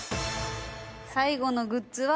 ・最後のグッズは。